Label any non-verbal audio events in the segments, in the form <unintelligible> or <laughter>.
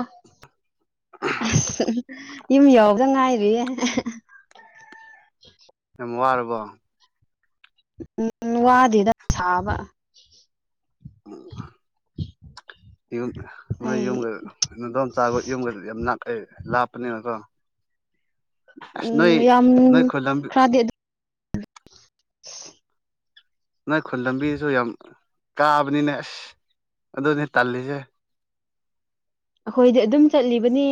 ꯑ ꯑꯁ ꯌꯨꯝ ꯌꯥꯎꯕꯗ ꯉꯥꯏꯔꯤꯌꯦ ꯔꯒꯣ ꯟꯋꯥꯗꯤꯗ ꯊꯕ ꯑꯣ <inaudible> ꯌꯨꯝ ꯅꯣꯏ ꯑꯩ ꯌꯨꯝꯒꯗꯣꯝ ꯆꯥꯕ ꯌꯨꯝꯒ ꯌꯥꯝꯅꯥ ꯂꯥꯞꯄꯅꯦꯕꯀꯣ ꯎꯝ ꯌꯥꯝ ꯅꯣꯏ ꯈꯨꯜ ꯂꯝꯕꯤ ꯈꯔꯗꯤ ꯑꯗꯨ ꯅꯣꯏ ꯈꯨꯟ ꯂꯝꯕꯤꯁꯨ ꯌꯥꯝ ꯀꯥꯕꯅꯤꯅꯦ ꯑꯁ ꯑꯗꯨꯅꯦ ꯇꯥꯜꯂꯤꯁꯦ ꯑꯩꯈꯣꯏꯗꯤ ꯑꯗꯨꯝ ꯆꯠꯂꯤꯕꯅꯦ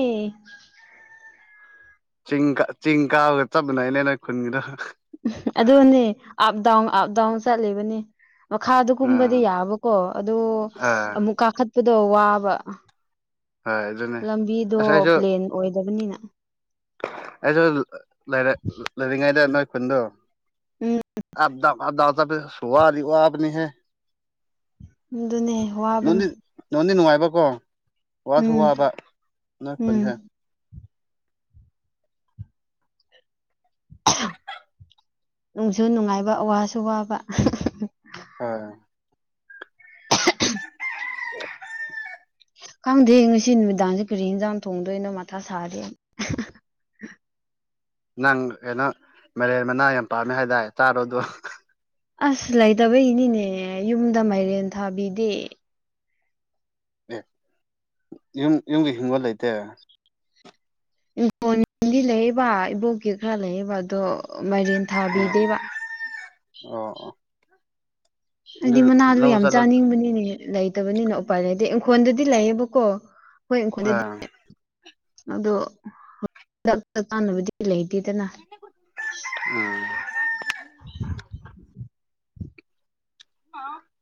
ꯆꯤꯡ ꯆꯤꯡ ꯀꯥꯕꯒ ꯆꯠ ꯃꯅꯅꯦ ꯅꯣꯏ ꯈꯨꯟꯒꯤꯗ ꯎꯝ ꯑꯗꯨꯅꯦ ꯑꯞꯗꯥꯎꯟ ꯑꯞꯗꯥꯎꯟ ꯆꯠꯂꯤꯕꯅꯤ ꯃꯈꯥꯗ ꯀꯨꯝꯕꯗꯤ ꯑꯥ ꯌꯥꯕꯀꯣ ꯑꯗ ꯑꯥ ꯑꯃꯨꯛ ꯀꯥꯈꯠꯄꯗꯣ ꯋꯥꯕ ꯍꯣꯏ ꯑꯗꯨꯅꯦ ꯂꯝꯕꯤꯗꯣ ꯑꯁ ꯑꯩꯁꯨ ꯄ꯭ꯂꯦꯟ ꯑꯣꯏꯗꯕꯅꯤꯅ ꯑꯩꯁꯨ ꯂꯩꯔꯤꯉꯩꯗ ꯅꯣꯏ ꯈꯨꯟꯗꯣ ꯎꯝ ꯑꯗꯥ ꯑꯗꯥꯁꯨꯔꯤ ꯋꯥꯅꯤ ꯍꯥꯏ ꯑꯗꯨꯅꯦ ꯅ ꯅꯣꯟꯗ ꯋꯥꯕꯅꯦ ꯅꯨꯅꯨꯡꯉꯥꯏ ꯕꯀꯣ ꯋꯥꯁꯨ ꯎꯝ ꯋꯥꯕ ꯅꯣꯏ ꯎꯝ ꯈꯨꯣꯟꯁꯦ ꯅꯨꯡꯁꯨ ꯅꯨꯡꯉꯥꯏꯕ ꯋꯥꯁꯨ ꯋꯥꯕ ꯑ <inaudible> ꯈꯪꯗꯦ ꯉꯁꯤ ꯅꯨꯃꯤꯗꯥꯡꯁꯦ ꯀꯔꯤ ꯌꯦꯟꯖꯥꯡ ꯊꯣꯡꯗꯣꯏꯅꯣ ꯃꯊꯥ ꯁꯥꯔꯤ <inaudible> ꯅꯪ ꯀꯩꯅꯣ ꯃꯂꯦꯟ ꯃꯅꯥ ꯌꯥꯝ ꯄꯥꯝꯃꯦ ꯍꯥꯏꯇꯥꯔꯦ ꯆꯥꯔꯣꯗꯣ ꯑꯁ ꯂꯩꯇꯕ ꯏꯅꯤꯅꯦ ꯌꯨꯝꯗ ꯃꯥꯏꯔꯦꯟ ꯊꯥꯕꯤꯗꯦ ꯑꯦ ꯌꯨꯝ ꯌꯨꯝꯒꯤ ꯍꯤꯡꯒꯣꯜ ꯂꯩꯇꯦ ꯏꯣꯗꯤ ꯂꯩꯕ ꯏꯕꯣꯛꯀꯤ ꯈꯔ ꯂꯩꯕ ꯑꯗꯣ ꯃꯔꯦꯟ ꯎꯝ ꯊꯥꯕꯤꯗꯦꯕ ꯑꯣ ꯑꯣ ꯑꯗꯨ ꯍꯥꯏꯗꯤ ꯃꯅꯥꯗꯨ ꯂꯧ ꯌꯥꯝ ꯆꯠꯂ ꯆꯥꯅꯤꯡꯕꯅꯤꯅꯦ ꯂꯩꯇꯕꯅꯤꯅ ꯎꯄꯥꯏ ꯂꯩꯗꯤ ꯏꯪꯈꯣꯣꯟꯗꯗꯤ ꯂꯩꯌꯦꯕꯀꯣ ꯍꯣꯏ ꯏꯪꯈꯣꯣꯟꯗꯗꯤ ꯑꯥ ꯑꯗꯣ ꯍꯟꯗꯛꯇ ꯀꯥꯟꯅꯕꯗꯤ ꯂꯩ ꯗꯅ ꯎꯝ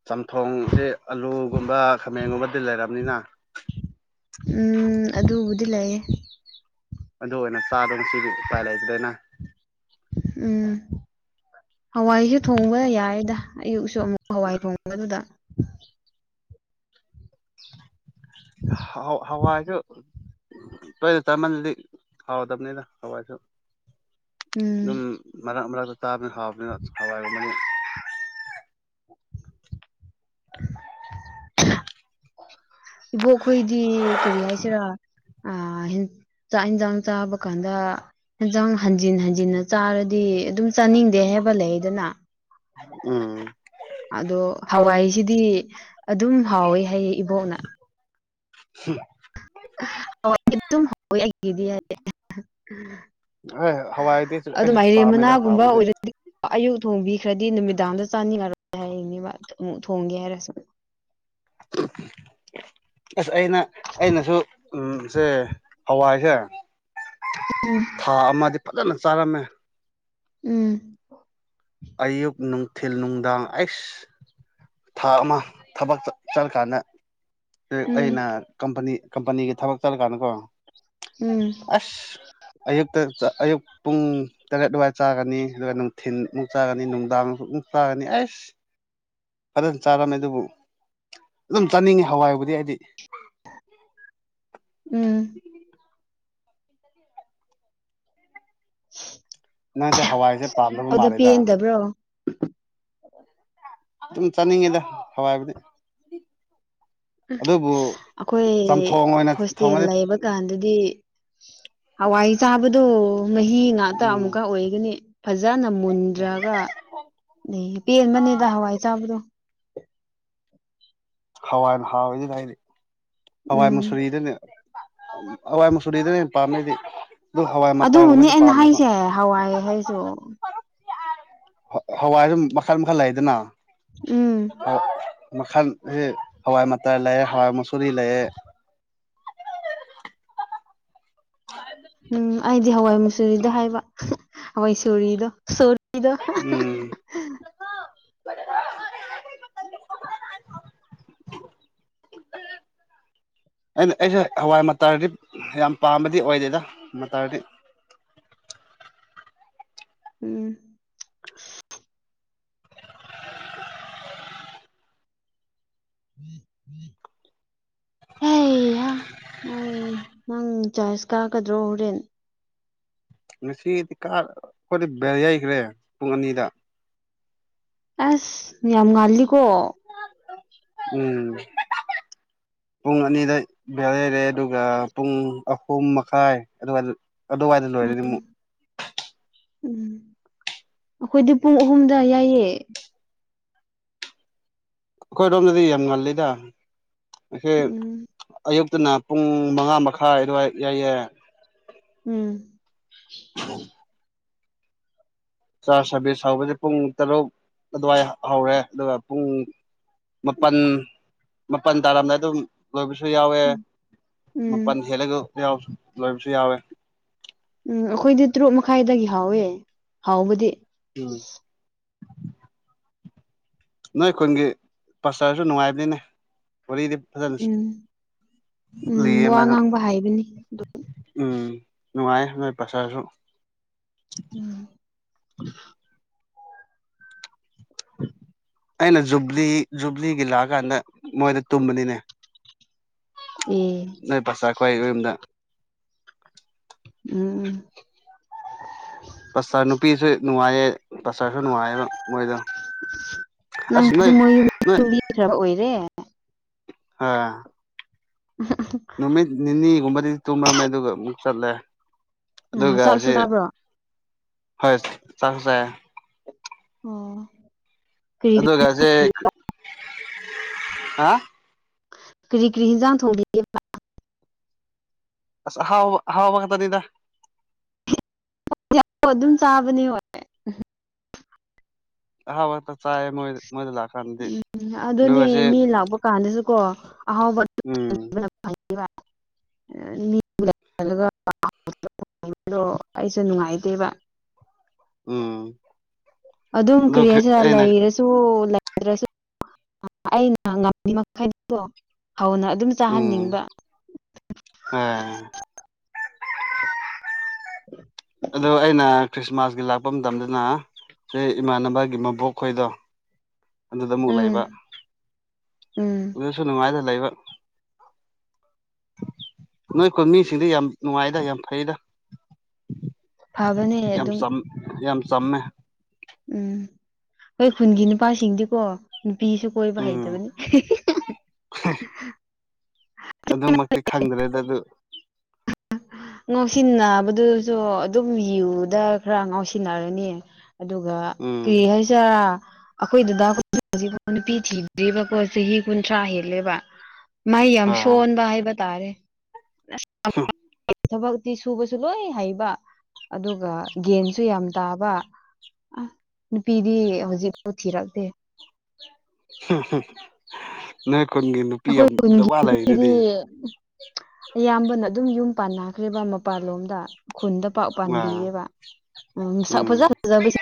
ꯆꯝꯊꯣꯡꯁꯦ ꯑꯂꯨꯒꯨꯝꯕ ꯈꯥꯃꯦꯟꯒꯨꯝꯕꯗꯤ ꯂꯩꯔꯕꯝꯅꯤꯅ ꯎꯝ ꯑꯗꯨꯕꯨꯗꯤ ꯂꯩꯌꯦ ꯑꯗꯨ ꯑꯣꯏꯅ ꯆꯥꯗꯅ ꯁꯤꯗꯤ ꯎꯄꯥꯏ ꯂꯩꯇꯗꯅ ꯎꯝ ꯍꯋꯥꯏꯁꯨꯦ ꯊꯣꯡꯕ ꯌꯥꯏꯗ ꯑꯌꯨꯛ ꯑꯃꯨꯛ ꯍꯋꯥꯏ ꯊꯣꯡꯕꯗꯨꯗ <inaudible> <inaudible> ꯍ ꯍꯋꯥꯁꯨ ꯇꯣꯏꯂꯦꯠ ꯆꯥꯃꯥꯟꯜꯂꯗꯤ ꯍꯥꯎꯗꯕꯅꯤꯅ ꯍꯋꯥꯏꯁꯨ ꯎꯝ ꯑꯗꯨꯝ ꯃꯔꯛ ꯃꯔꯛꯇ ꯆꯥꯕꯅꯤ ꯍꯥꯎꯕꯅꯤꯅ ꯍꯋꯥꯏꯕ <inaudible> <inaudible> ꯏꯕꯣꯛꯈꯣꯏꯗꯤ ꯀꯔꯤ ꯍꯥꯏꯁꯤꯔꯥ ꯑ ꯆꯥꯛ ꯌꯦꯟꯁꯥꯡ ꯆꯥꯕ ꯀꯥꯟꯗ ꯌꯦꯟꯁꯥꯡ ꯍꯟꯖꯤꯟ ꯍꯟꯖꯤꯟꯅ ꯆꯥꯔꯗꯤ ꯑꯗꯨꯝ ꯆꯥꯅꯤꯡꯗꯦ ꯍꯥꯏꯦꯕ ꯂꯩꯗꯅ ꯎꯝ ꯑꯗꯣ ꯍꯋꯥꯏꯁꯤꯗꯤ ꯑꯗꯨꯝ ꯍꯥꯎꯋꯦ ꯍꯥꯏꯌꯦꯦ ꯏꯕꯣꯛꯅ ꯁꯤ ꯍ ꯑꯗꯨꯝ ꯍꯗꯤꯔꯦ <unintelligible> ꯍꯣꯏ ꯍꯋꯥꯏꯗꯤ ꯑꯩꯁꯨ ꯑꯗꯨꯝꯥꯏꯔꯦꯝ ꯄꯥꯝꯃꯦꯗ ꯃꯅꯥꯒꯨꯝꯕ ꯄꯥꯝꯕꯗꯤ ꯑꯣꯏꯔꯗꯤꯌꯨ ꯊꯣꯡꯕꯤꯈ꯭ꯔꯗꯤ ꯅꯨꯃꯤꯗꯥꯡꯗ ꯆꯥꯅꯤꯡꯉꯔ ꯍꯥꯏꯅꯦꯕ ꯑꯃꯛ ꯊꯣꯡꯒꯦ ꯍꯥꯏꯔꯁ ꯑꯁ ꯑꯩꯅ ꯑꯩꯅꯁꯨ ꯎ ꯁꯦ ꯍꯋꯥꯏꯁꯦ ꯎꯝ ꯊꯥ ꯑꯃꯗꯤ ꯐꯖꯅ ꯆꯥꯔꯝꯃꯦ ꯎꯝ ꯊꯤꯜ ꯅꯨꯡꯗꯥꯡ ꯑꯩꯁ ꯊꯥ ꯑꯃ ꯊꯕꯛ ꯆꯠꯂꯀꯥꯟꯗ ꯎꯝ ꯑꯩꯅ ꯀꯝꯄꯅꯤ ꯀꯝꯄꯅꯤꯒꯤ ꯊꯕꯛ ꯆꯠꯂꯀꯥꯟꯗꯀꯣ ꯎꯝ ꯑꯁ ꯑꯌꯨꯛꯇ ꯑꯌꯨꯛ ꯄꯨꯡ ꯇꯔꯦꯠ ꯑꯗꯨꯋꯥꯏ ꯆꯥꯒꯅꯤ ꯑꯗꯨꯒ ꯅꯨꯡꯊꯤꯟꯃꯨꯛ ꯆꯥꯒꯅꯤ ꯅꯨꯡꯗꯥꯡꯨꯛ ꯑꯃꯨꯛ ꯆꯥꯒꯅꯤ ꯑꯩꯁ ꯐꯖꯅ ꯆꯥꯔꯝꯃꯦ ꯑꯗꯨꯕꯨ ꯑꯗꯨꯝ ꯆꯥꯅꯤꯡꯉꯤ ꯍꯋꯥꯏꯕꯨꯗꯤ ꯑꯩꯗꯤ <inaudible> <inaudible> ꯎꯝ <inaudible> <inaudible> ꯅꯪꯁꯦ ꯍꯋꯥꯏꯁꯦ ꯄꯥꯝꯗꯕ ꯑꯗꯨꯗ ꯃꯥꯜꯂꯦꯗ ꯄꯦꯟꯗꯕ꯭ꯔꯣ ꯑꯗꯨꯝ ꯆꯥꯅꯤꯡꯉꯤꯗ ꯍꯋꯥꯏꯕꯨꯗꯤ ꯑꯗꯨꯕꯨ ꯑꯩꯈꯣꯏ ꯆꯝꯊꯣꯡ ꯑꯣꯏꯅ ꯍꯣꯁꯇꯦꯜ ꯊꯣꯡꯉꯗꯤ ꯂꯩꯕ ꯀꯥꯟꯗꯗꯤ ꯍꯋꯥꯏ ꯆꯥꯕꯗꯣ ꯃꯍꯤ ꯉꯥꯛꯇ ꯎꯝ ꯑꯃꯨꯛꯀ ꯑꯣꯏꯒꯅꯤ ꯐꯖꯅ ꯃꯨꯟꯗ꯭ꯔꯒ ꯄꯦꯟꯕꯅꯦꯗ ꯍꯋꯥꯏ ꯆꯥꯕꯗꯣ ꯍꯋꯥꯏꯅ ꯍꯥꯎꯏꯗꯨꯅ ꯍꯥꯏꯗꯤ ꯍꯋꯥꯏ ꯎꯝ ꯃꯨꯁꯔꯤꯗꯅꯦ ꯍꯋꯥꯏ ꯃꯁꯨꯨꯔꯤꯗꯅꯦ ꯄꯥꯝꯃꯦꯩꯗꯤ ꯑꯗꯨꯕꯨꯅꯦ ꯑꯩꯅ ꯍꯥꯏꯁꯦ ꯍꯋꯥꯏ ꯍꯥꯏꯁꯨ ꯍꯋꯥꯏꯁꯨ ꯃꯈꯜ ꯃꯈꯜ ꯂꯩꯗꯅ ꯎꯝ ꯃꯈꯜꯁꯦ ꯍꯋꯥꯏ ꯃꯇꯥꯏ ꯂꯩꯔꯦ ꯍꯋꯥꯏ ꯃꯁꯨꯨꯔꯤ ꯂꯩꯔꯦ ꯎ <inaudible> ꯎꯝ ꯑꯩꯗꯤ ꯍꯋꯥꯏ ꯃꯨꯆꯨꯔꯤꯗ ꯍꯥꯏꯕ ꯍꯋꯥꯏꯁꯣꯔꯤꯗꯣ ꯏꯗꯣ ꯎꯝ <inaudible> <inaudible> <inaudible> <inaudible> ꯑꯩꯅ ꯍꯋꯥꯏ ꯃꯇꯔꯗꯤ ꯌꯥꯝ ꯄꯥꯝꯕꯗꯤ ꯑꯣꯏꯗꯦꯗ ꯃꯇꯔꯗꯤ <inaudible> <inaudible> ꯎꯝ ꯎꯝ ꯎꯝ <inaudible> ꯍꯦ ꯍꯣꯏ ꯅꯪ ꯆꯣꯏꯁ ꯀꯥꯀꯗ꯭ꯔꯣ ꯍꯣꯔꯦꯟ ꯉꯁꯤꯗꯤ ꯀꯥ ꯑꯩꯈꯣꯏꯅ ꯕ ꯌꯩꯈ꯭ꯔꯦ ꯄꯨꯡ ꯑꯅꯤꯗ ꯑꯁ ꯌꯥꯝ ꯌꯥꯝ ꯉꯥꯟꯂꯤꯀꯣ ꯎꯝ <inaudible> ꯄꯨꯡ ꯑꯅꯤꯗ ꯚ ꯂꯩꯔꯦ ꯑꯗꯨꯒ ꯄꯨꯡ ꯑꯍꯨꯝ ꯃꯈꯥꯏ ꯑꯗꯨꯒ ꯑꯗꯨꯋꯥꯏꯗ ꯎꯝ ꯂꯣꯏꯔꯗꯤ ꯑꯃꯨꯛ ꯎꯝ ꯑꯩꯈꯣꯏꯗꯤ ꯄꯨꯡ ꯑꯍꯨꯝꯗ ꯌꯥꯏꯌꯦ ꯑꯩꯈꯣꯏꯔꯣꯝꯗꯗꯤ ꯌꯥꯝ ꯉꯜꯂꯤꯗ ꯑꯩ ꯎꯝ ꯑꯌꯨꯛ ꯑꯗꯨꯅ ꯄꯨꯡ ꯃꯉꯥ ꯃꯈꯥꯏ ꯑꯗꯨꯋꯥꯏ ꯌꯥꯏꯑ ꯎꯝ ꯎ ꯆꯥꯔ ꯁꯥꯔꯚꯤꯁ ꯍꯧꯕꯁꯦ ꯄꯨꯡ ꯇꯔꯨꯛ ꯑꯗꯨꯋꯥꯏ ꯍꯧꯔꯦ ꯑꯗꯨꯒ ꯄꯨꯡ ꯃꯥꯄꯜ ꯃꯥꯄꯜ ꯇꯥꯔꯝꯗꯥꯏ ꯑꯗꯨꯝ ꯂꯣꯏꯕꯁꯨ ꯌꯥꯎꯋꯦ ꯎꯝ ꯃꯥꯄꯜ ꯍꯦꯜꯂꯒ ꯂꯣꯏꯕꯁꯨ ꯌꯥꯎꯋꯦ ꯎꯝ ꯑꯩꯈꯣꯏꯗꯤ ꯇꯔꯨꯛ ꯃꯈꯥꯏꯗꯒꯤ ꯍꯥꯎꯋꯦ ꯍꯥꯎꯕꯗꯤ ꯎꯝ ꯅꯣꯏ ꯑꯩꯈꯣꯏꯒꯤ ꯄꯔꯁꯨ ꯅꯨꯡꯉꯥꯏꯕꯅꯤꯅꯦ ꯋꯥꯔꯤꯗꯤ ꯐꯖ ꯎꯝ ꯎꯝ ꯂꯩꯌꯦ ꯋꯥ ꯃ ꯉꯥꯡꯕ ꯍꯥꯏꯕꯅꯤ ꯎꯝ ꯅꯨꯡꯉꯥꯏ ꯅꯣꯏ ꯄꯆꯥꯔꯁꯨ ꯎꯝ ꯍ <inaudible> ꯑꯩꯅ ꯖꯨꯕ꯭ꯂꯤ ꯖꯨꯕ꯭ꯂꯤꯒꯤ ꯂꯥꯛꯑꯀꯥꯟꯗ ꯃꯣꯏꯗ ꯇꯨꯝꯕꯅꯤꯅꯦ ꯎꯝ ꯑꯩꯈ꯭ꯣꯏ ꯌꯨꯝꯗ ꯎꯝ ꯇꯔ ꯅꯨꯄꯤꯁꯨ ꯅꯨꯡꯉꯥꯏꯌꯦ ꯇꯔꯁꯨ ꯅꯨꯡꯉꯥꯏꯌꯦꯕ ꯃꯣꯏꯗ ꯑ ꯅꯪꯁꯦ ꯅꯣꯏ ꯃꯣꯏ ꯌꯨꯝ ꯅꯣꯏ ꯌꯨꯝꯕꯤꯈ꯭ꯔꯕ ꯑꯣꯏꯔꯦ ꯑ ꯅꯨꯃꯤꯠ ꯅꯤꯅꯤꯒꯨꯝꯕꯗꯤ ꯇꯨꯝꯔꯝꯃꯦ ꯑꯗꯨꯒ ꯑꯃꯨꯛ ꯆꯠꯂꯦ ꯑ ꯑꯗꯨꯒ ꯆꯥꯛꯁꯨ ꯁꯤ ꯊꯥꯕ꯭ꯔꯣ ꯍꯣꯏ ꯆꯥꯛ ꯆꯦ ꯑꯣ ꯀꯔꯤ ꯑꯗꯨꯒꯁꯦ ꯍꯥ ꯀꯔꯤ ꯀ꯭ꯔꯤ ꯍꯤꯟꯖꯥꯡ ꯊꯣꯡꯂꯤꯦ ꯑ ꯍꯋꯥ ꯍꯋꯥ ꯃꯈ ꯀ ꯇꯔꯤꯗ ꯑꯣ ꯑꯗꯨꯝ ꯆꯥꯕꯅꯤ ꯍꯦ ꯎ ꯍꯕ ꯇ ꯆꯥꯏ ꯃꯣꯏ ꯃꯣꯏꯗ ꯂꯥꯛꯀꯥꯟꯗꯗꯤ ꯎꯝ ꯑꯗꯨꯅꯦ ꯑꯗꯨꯒꯁꯦ ꯃꯤ ꯂꯥꯛꯄ ꯀꯥꯟꯗꯁꯨ ꯀꯣ ꯑꯍꯥꯎꯕ ꯎꯝ <inaudible> ꯗꯣ ꯑꯩꯁꯨ ꯅꯨꯡꯉꯥꯏꯇꯦꯕ ꯎꯝ ꯑꯗꯨꯝ ꯑꯗꯨ ꯀ꯭ꯔꯤꯌꯦꯁ ꯑꯩꯅ ꯂꯩꯔꯁꯨꯣ ꯭ꯔꯁꯨ ꯑꯩꯅ ꯉꯝꯃꯤ ꯃꯈꯩꯗꯤꯀꯣ ꯍꯧꯅ ꯑꯗꯨꯝ ꯆꯥꯍꯟꯅꯤꯡꯕ ꯑ ꯑꯗꯣ ꯑꯩꯅ ꯈ꯭ꯔꯤꯁꯃꯥꯁꯀꯤ ꯂꯥꯛꯄ ꯃꯇꯝꯗꯅ ꯁꯦ ꯏꯃꯥꯟꯅꯕꯒꯤ ꯃꯕꯣꯛ ꯈꯣꯏꯗꯣ ꯑꯗꯨꯗ ꯑꯃꯨꯛ ꯂꯩꯕ ꯎꯝ ꯎꯝ ꯑꯗꯨꯁꯨ ꯅꯨꯡꯉꯥꯏꯗ ꯂꯩꯕ ꯅꯣꯏꯈꯣꯏ ꯃꯤꯁꯤꯡꯗ ꯌꯥꯝ ꯅꯨꯡꯉꯥꯏꯗ ꯌꯥꯝ ꯐꯩꯗ ꯐꯕꯅꯦ ꯌꯥꯝ ꯑꯗꯨꯝ ꯆꯝ ꯌꯥꯝ ꯆꯝꯃꯦ ꯎꯝ ꯑꯩꯣꯏ ꯈꯨꯟꯒꯤ ꯅꯨꯄꯥꯁꯤꯡꯗꯤꯀꯣ ꯅꯨꯄꯤꯁꯨ ꯀꯣꯏꯕ ꯎꯝ ꯍꯩꯇꯕꯅꯤ ꯑꯗꯨꯃꯛꯇꯤ ꯈꯪꯗ꯭ꯔꯦꯗ ꯑꯗꯨ ꯉꯥꯎꯁꯤꯟꯅꯕꯗꯨꯁꯨ ꯑꯗꯨꯝ ꯨꯗ ꯈꯔ ꯉꯥꯎꯁꯤꯟꯅꯔꯅꯤ ꯑꯗꯨꯒ ꯎꯝ ꯀꯦ ꯍꯥꯏꯁꯥ ꯑꯩꯈꯣꯏꯗꯨꯗ ꯍꯧꯖꯤꯛꯐꯥꯎ ꯅꯨꯄꯤ ꯊꯤꯗ꯭ꯔꯤꯕꯀꯣ ꯆꯍꯤ ꯀꯨꯟꯊ꯭ꯔꯥ ꯍꯦꯜꯂꯦꯕ ꯃꯍꯩ ꯌꯥꯝ ꯑꯥ ꯁꯣꯟꯕ ꯍꯥꯏꯕ ꯇꯥꯔꯦ ꯊꯕꯛꯇꯤ ꯁꯨꯕꯁꯨ ꯂꯣꯏ ꯍꯩꯕ ꯑꯗꯨꯒ ꯒꯦꯟꯁꯨ ꯌꯥꯝ ꯇꯥꯕ ꯑ ꯅꯨꯄꯤꯗꯤ ꯍꯧꯖꯤꯛꯐꯥꯎ ꯊꯤꯔꯛꯇꯦ ꯅ ꯈꯨꯟꯒꯤ ꯅꯨꯄꯤ ꯑꯩꯈꯣꯏ ꯌꯥꯝ ꯈꯨꯟꯒꯤ ꯗꯋꯥ ꯂꯩ ꯅꯨꯄꯤꯗꯤ ꯑꯗꯨꯗꯤ ꯑꯌꯥꯝꯕꯅ ꯑꯗꯨꯝ ꯌꯨꯝ ꯄꯥꯟꯅꯈ꯭ꯔꯦꯕ ꯃꯄꯥꯟꯂꯣꯝꯗ ꯈꯨꯟꯗ ꯄꯥꯛ ꯑꯥ ꯄꯥꯟꯕꯤꯔꯦꯕ ꯎ ꯁꯛ ꯎꯝ ꯐꯖ ꯐꯖꯕ <inaudible>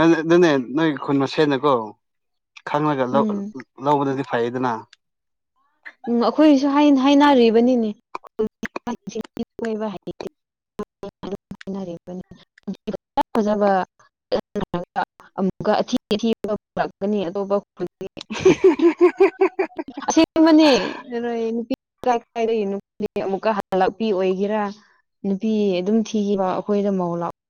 ꯑꯗꯨ ꯑꯗꯨꯅꯦ ꯅꯣꯏ ꯈꯨꯟ ꯃꯁꯦꯠꯅꯀꯣ ꯈꯪꯉꯒ ꯎꯝ ꯂꯧꯕꯗꯗꯤ ꯐꯩꯗꯅ ꯎꯝ ꯑꯩꯈꯣꯏꯁꯨ ꯍꯥꯏꯅꯔꯤꯕꯅꯤꯅꯦ ꯕ ꯍꯥꯏꯦ ꯐꯖꯕ ꯑꯃꯨꯛꯀ ꯑꯊꯤ ꯑꯊꯤꯕ ꯄꯨꯔꯛꯀꯅꯤ ꯑꯇꯣꯞꯄ <unintelligible> ꯅꯦ ꯅꯨ ꯀꯥꯏ ꯑꯃꯨꯛꯀ ꯍꯜꯂꯛꯄꯤ ꯑꯣꯏꯒꯦꯔꯥ ꯅꯨꯄꯤ ꯑꯗꯨꯝ ꯊꯤꯈꯤꯕ ꯑꯩꯈꯣꯏꯗ ꯃꯍꯧ ꯂꯥꯛꯑꯣ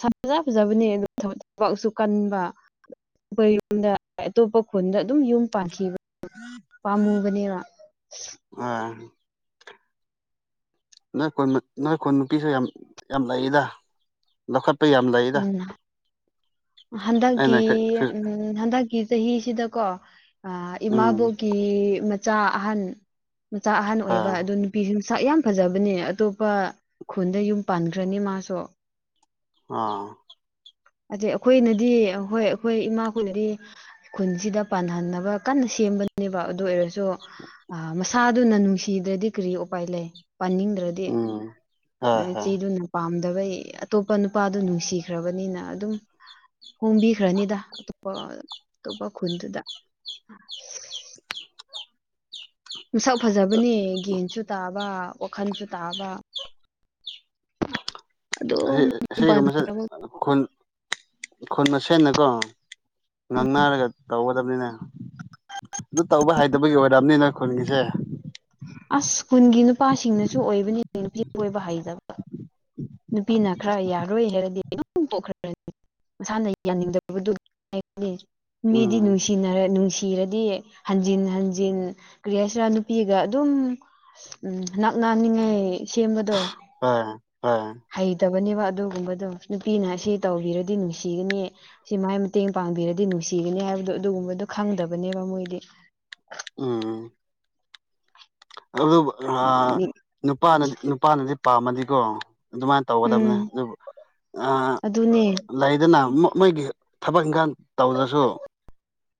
ꯐꯖ ꯐꯖꯕꯅꯦ ꯑꯗꯨꯕ ꯊꯕꯛꯁꯨ ꯀꯟꯕ ꯑꯩꯣꯏ ꯌꯨꯝꯗ ꯑꯇꯣꯞꯄ ꯈꯨꯟꯗ ꯑꯗꯨꯝ ꯌꯨꯝ ꯄꯥꯟꯈꯤꯕ ꯄꯥꯝꯃꯨꯕꯅꯦꯔ ꯑꯥ ꯅꯣꯏ ꯀ ꯅꯣꯏ ꯀꯨꯟ ꯅꯨꯄꯤꯁꯨ ꯌꯥꯝ ꯌꯥꯝ ꯂꯩꯔꯤꯗ ꯂꯧꯈꯠ ꯂꯄ ꯌꯥꯝ ꯂꯥꯛꯌꯦꯗ ꯎꯝ ꯍꯟꯗꯛꯀꯤ ꯎꯝ ꯍꯟꯗꯛꯀꯤ ꯆꯍꯤꯁꯤꯗꯀꯣ ꯑ ꯎꯝ ꯏꯃꯥꯕꯣꯛꯀꯤ ꯃꯆꯥ ꯑꯍꯟ ꯃꯆꯥ ꯑꯍꯟ ꯑꯣꯏꯕ ꯑꯥ ꯑꯗꯨ ꯅꯨꯄꯤꯁꯤꯡ ꯁꯥꯛ ꯌꯥꯝ ꯐꯖꯕꯅꯦ ꯑꯇꯣꯞꯄ ꯈꯨꯟꯗ ꯌꯨꯝ ꯄꯥꯟꯈ꯭ꯔꯅꯤ ꯃꯥꯁꯨ ꯑꯥ ꯑꯗꯩ ꯑꯩꯈꯣꯏꯅꯗꯤ ꯍꯣꯏ ꯑꯩꯈꯣꯏ ꯏꯃꯥꯈꯣꯏꯅꯗꯤ ꯈꯨꯟꯁꯤꯗ ꯄꯥꯟꯍꯟꯅꯕ ꯀꯟꯅ ꯁꯤ ꯁꯦꯝꯕꯅꯦꯕ ꯑꯗꯨ ꯑꯣꯏꯔꯁꯨ ꯁꯨ ꯃꯁꯥꯗꯨꯅ ꯅꯨꯡꯁꯤꯗ꯭ꯔꯗꯤ ꯀꯔꯤ ꯎꯄꯥꯏ ꯂꯩ ꯄꯥꯅꯤꯡꯗ꯭ꯔꯗꯤ ꯎꯝ ꯍꯣꯏ ꯍꯣꯏ ꯏꯆꯦꯗꯨꯅ ꯄꯥꯝꯗꯕ ꯑꯇꯣꯞꯄ ꯅꯨꯄꯥꯗꯨ ꯅꯨꯡꯁꯤꯈ꯭ꯔꯕꯅꯤꯅ ꯑꯗꯨꯝ ꯍꯣꯡꯕꯤꯈ꯭ꯔꯅꯤꯗ ꯑꯇꯣꯞꯄ ꯑꯇꯣꯞꯄ ꯈꯨꯟꯗꯨꯗ ꯎ ꯃꯁꯛ ꯐꯖꯕꯅꯦ ꯒꯟꯁꯨ ꯇꯥꯕ ꯋꯥꯈꯜꯁꯨ ꯇꯥꯕ ꯑꯁꯤ ꯑꯗꯨꯝ ꯁꯤꯒꯨꯝ ꯃꯁꯦ ꯈꯨꯟ ꯈꯨꯟ ꯃꯁꯦꯅꯀꯣ ꯉꯥꯡꯅꯔꯒ ꯇꯧꯕ ꯕꯅꯤꯅꯦ ꯑꯗꯨ ꯇꯧꯕ ꯍꯩꯇꯕꯒꯤ ꯑꯣꯏꯔꯛꯑꯕꯅꯤꯅ ꯈꯨꯟꯒꯤꯁꯦ ꯑꯁ꯭ꯀꯨꯜꯒꯤ ꯅꯨꯄꯥꯁꯤꯡꯅꯁꯨ ꯑꯣꯏꯕꯅꯤ ꯅꯨꯄꯤ ꯑꯣꯏꯕ ꯍꯩꯇꯕ ꯅꯨꯄꯤꯅ ꯈꯔ ꯌꯥꯔꯣꯏ ꯍꯥꯏꯔꯗꯤꯈ꯭ꯔ ꯃꯁꯥꯅ ꯌꯥꯅꯤꯡꯗꯗꯨ ꯃꯤꯗꯤ ꯎꯝ ꯅꯨꯡꯁꯤꯅꯔ ꯅꯨꯡꯁꯤꯔꯗꯤ ꯍꯟꯖꯤꯟ ꯍꯟꯖꯤꯟ ꯀ꯭ꯔꯤꯍꯁꯔꯥ ꯅꯨꯄꯤꯒ ꯑꯗꯨꯝ ꯎꯝ ꯅꯛ ꯅꯤꯡꯉꯥꯏ ꯁꯦꯝꯕꯗꯣ ꯑ ꯍꯩꯗꯕꯅꯤꯕ ꯑꯗꯨꯒꯨꯝꯕꯗꯨ ꯅꯨꯄꯤꯅ ꯁꯤ ꯇꯧꯕꯤꯔꯗꯤ ꯅꯨꯡꯁꯤꯒꯅꯤ ꯁꯤ ꯃꯥꯏ ꯃꯇꯦꯡ ꯄꯥꯡꯕꯤꯔꯗꯤ ꯅꯨꯡꯁꯤꯒꯅꯤ ꯍꯥꯏꯕ ꯍꯥꯏꯕꯗꯣ ꯑꯗꯨꯒꯨꯝꯕꯗꯣ ꯈꯪꯗꯕꯅꯦꯕ ꯃꯣꯏꯗꯤ ꯑ ꯑ ꯎꯝ ꯅꯨꯄꯥꯅꯗꯤ ꯅꯨꯄꯥꯅꯗꯤ ꯄꯥꯝꯃꯗꯤꯀꯣ ꯑꯗꯨꯃꯥꯏꯅ ꯇꯧꯒꯗꯕꯅꯦ ꯑꯗꯨ ꯑꯗꯨꯅꯦ ꯂꯩꯗꯅ ꯃꯣꯏꯒꯤ ꯊꯕꯛ ꯏꯪꯈꯥꯡ ꯇꯧꯗ꯭ꯔꯁꯨ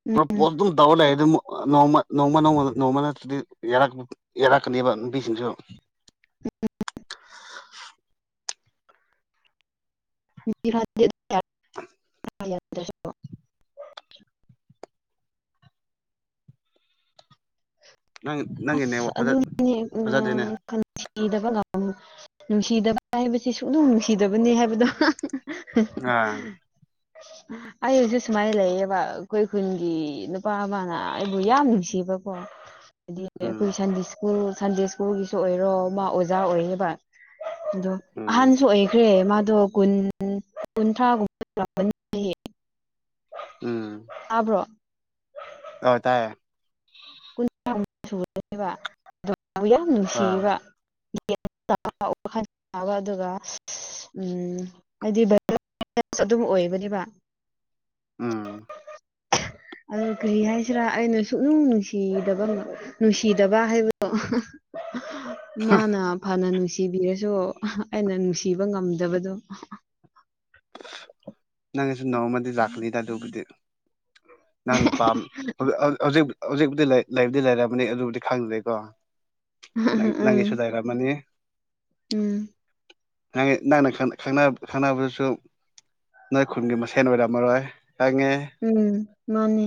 ꯎꯝ ꯄꯣꯠ ꯑꯗꯨꯝ ꯇꯧꯔ ꯂꯩꯔꯦ ꯑꯗꯨꯝꯣꯡꯃ ꯅꯣꯡꯃ ꯅꯃ ꯅꯣꯡꯃ ꯅꯗꯤ ꯌꯦꯔ ꯌꯦꯔ ꯀꯅꯤꯕ ꯄꯕꯤꯁꯤꯁꯨ <unintelligible> <unintelligible> <unintelligible> ꯅꯪ ꯅꯪꯒꯤ ꯑꯁ ꯅꯦꯠꯋꯥꯛ ꯐꯖ ꯑꯗꯨꯅꯤ ꯐꯖꯗꯦꯅꯦ ꯑ ꯅꯨꯡꯁꯤꯗꯕ ꯅꯨꯡꯁꯤꯗꯕ ꯍꯥꯏꯕꯁꯤ ꯁꯨꯡꯗꯝ ꯅꯨꯡꯁꯤꯗꯕꯅꯤ ꯍꯥꯏꯕꯗꯣ ꯑꯥ ꯑꯩ ꯍꯧꯁꯨ ꯁꯨꯃꯥꯏꯅ ꯂꯩꯌꯦꯕ ꯑꯩꯈꯣꯏ ꯈꯨꯟꯒꯤ ꯅꯨꯄꯥ ꯑꯃꯅ ꯑꯩꯕꯨ ꯌꯥꯝ ꯅꯨꯡꯁꯤ ꯏꯕ ꯄꯣ ꯍꯥꯏꯗꯤ ꯑꯩꯈꯣꯏ ꯎꯝ ꯁꯟꯗꯦ ꯁ꯭ꯀꯨꯜ ꯁꯟꯗꯦ ꯁ꯭ꯀꯨꯜꯒꯤꯁꯨ ꯑꯣꯏꯔꯣ ꯃꯥ ꯑꯣꯖꯥ ꯑꯣꯏꯌꯦꯕ ꯑꯗꯣ ꯎꯝ ꯑꯍꯟꯁꯨ ꯑꯣꯏꯈ꯭ꯔꯦ ꯃꯥ ꯗꯣ ꯀꯨꯟ ꯀꯨꯟꯊ꯭ꯔꯥꯒꯨꯝꯕꯥꯅꯤ ꯑꯕ꯭ꯔꯣ ꯑꯣꯏꯇꯥꯦ ꯀꯨꯥ ꯁꯅꯦꯕ ꯑꯗꯨ ꯌꯥꯝ ꯑꯥ ꯅꯨꯡꯁꯤꯌꯦꯕ ꯋꯥ ꯑꯗꯨꯒ ꯎ ꯍꯥꯏꯗꯤ ꯁ ꯑꯗꯨꯝ ꯑꯣꯏꯕꯅꯦꯕ ꯎꯝ ꯑꯣ ꯀꯔꯤ ꯍꯥꯏꯁꯤꯔꯥ ꯑꯩꯅ ꯁꯨꯛꯅꯨꯡꯁꯤ ꯅꯨꯡꯁꯤꯗꯕ ꯅꯨꯡꯁꯤꯗꯕ ꯍꯥꯏꯕꯗꯣ ꯃꯥꯅ ꯐꯅ ꯅꯨꯡꯁꯤ ꯅꯨꯡꯁꯤꯕꯤꯔꯁꯨ ꯑꯩꯅ ꯅꯨꯡꯁꯤꯕ ꯉꯝꯗꯕꯗꯣ ꯅꯪꯅꯁꯨ ꯅꯣꯡꯃꯗꯤ ꯆꯥꯛꯀꯅꯤꯗ ꯑꯗꯨꯕꯨꯗꯤ ꯅꯪꯅ ꯄꯥꯝ ꯍꯧꯖꯤꯛ ꯍꯧꯖꯤꯛꯕꯨꯨꯗꯤ ꯂꯩꯕꯨꯗꯤ ꯂꯩꯔꯔꯕꯅꯤ ꯑꯗꯨꯕꯨꯗꯤ ꯈꯪꯗ꯭ꯔꯦꯀꯣ ꯪ ꯎꯝ ꯎꯝ ꯅꯪꯒꯤꯁꯨ ꯂꯩꯔꯃꯅꯤ ꯎꯝ ꯅꯪꯅ ꯈꯪꯅꯕꯗꯨꯁꯨ ꯅꯣꯏ ꯈꯨꯟꯒꯤ ꯃꯁꯦꯟ ꯑꯣꯏꯔꯝꯃꯔꯣꯏ ꯈꯪꯉꯦ ꯎꯝ ꯃꯥꯅꯦ